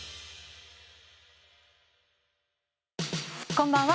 こんばんは。